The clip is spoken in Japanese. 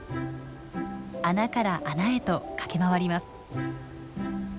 穴から穴へと駆け回ります。